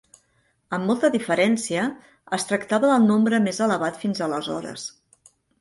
Amb molta diferència, es tractava del nombre més elevat fins aleshores.